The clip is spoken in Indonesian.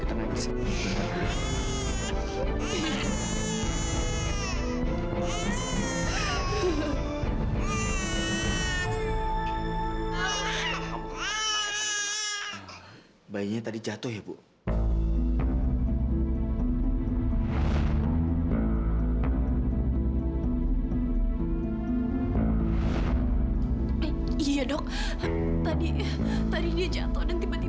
aku anakmu yang dah berusaha bawa bayi